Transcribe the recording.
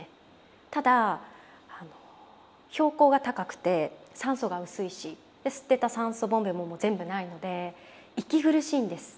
ただ標高が高くて酸素が薄いし吸ってた酸素ボンベも全部ないので息苦しいんです。